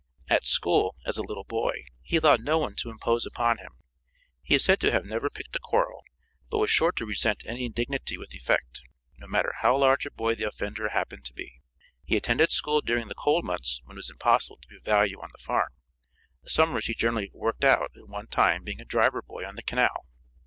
At school, as a little boy, he allowed no one to impose upon him. He is said to have never picked a quarrel, but was sure to resent any indignity with effect, no matter how large a boy the offender happened to be. He attended school during the cold months when it was impossible to be of value on the farm; summers he generally 'worked out,' at one time being a driver boy on the canal.